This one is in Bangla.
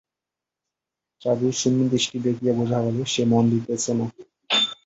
চারুর শূন্যদৃষ্টি দেখিয়া বোঝা গেল, সে মন দিতেছে না।